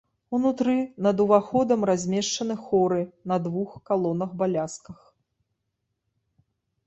Унутры над уваходам размешчаны хоры на двух калонах-балясках.